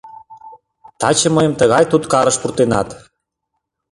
Таче мыйым тыгай туткарыш пуртенат.